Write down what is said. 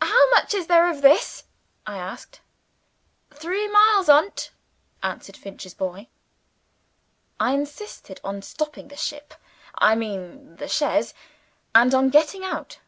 "How much is there of this?" I asked. "Three mile on't," answered Finch's boy. I insisted on stopping the ship I mean the chaise and on getting out.